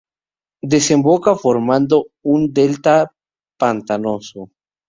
Desemboca formando un delta pantanoso.